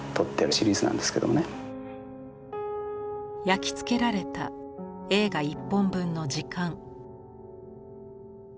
焼き付けられた映画１本分の時間。